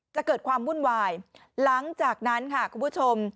จะเกิดความวุ่นวายหลังจากนั้นค่ะคุณผู้ชม